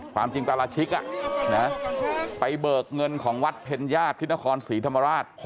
ความจริงปราชิกไปเบิกเงินของวัดเพ็ญญาติที่นครศรีธรรมราช